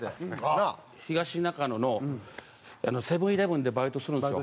東中野のセブン−イレブンでバイトするんですよ。